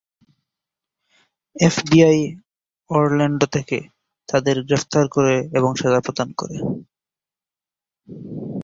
FBI Orlando থেকে তাদের গ্রেফতার করে এবং সাজা প্রদান করে।